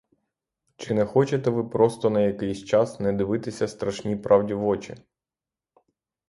Чи не хочете ви просто на якийсь час не дивитися страшній правді в очі?